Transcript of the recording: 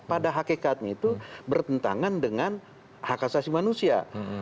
pada hakikatnya itu bertentangan dengan hak asasi manusia